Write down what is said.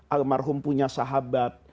almarhum punya sahabat